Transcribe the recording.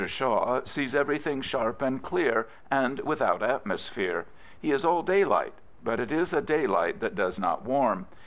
Shaw sees every thing sharp and clear, and without atmosphere. He is all daylight ; but it is a daylight that does not warm.